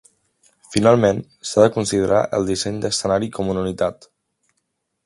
Finalment, s'ha de considerar el disseny de l'escenari com una unitat.